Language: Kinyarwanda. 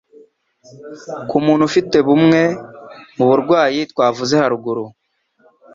ku muntu ufite bumwe mu burwayi twavuze haruguru,